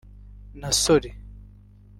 na Sorry